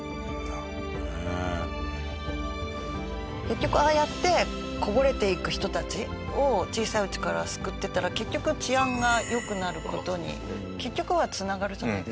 結局ああやってこぼれていく人たちを小さいうちから救ってたら結局治安が良くなる事に結局はつながるじゃないですか。